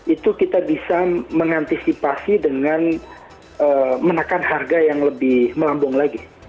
itu kita bisa mengantisipasi dengan menekan harga yang lebih melambung lagi